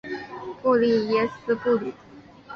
布利耶斯布吕。